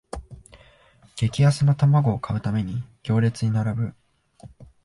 激安の玉子を買うために行列に並ぶ